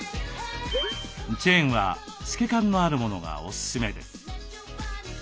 チェーンは透け感のあるものがおすすめです。